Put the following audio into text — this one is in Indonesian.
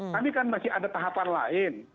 tapi kan masih ada tahapan lain